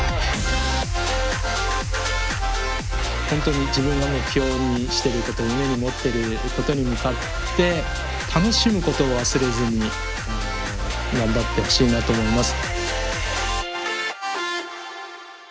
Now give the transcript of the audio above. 本当に自分が目標にしてること夢に持ってることに向かって楽しむことを忘れずに頑張ってほしいなと思います。